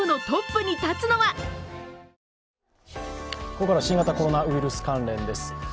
ここからは新型コロナウイルス関連です。